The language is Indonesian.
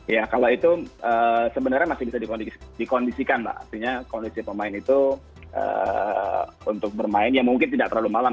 ya kalau itu sebenarnya masih bisa dikondisikan artinya kondisi pemain itu untuk bermain ya mungkin tidak terlalu malam